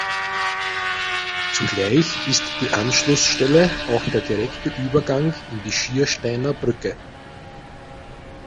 Zugleich ist die Anschlussstelle auch der direkte Übergang in die Schiersteiner Brücke.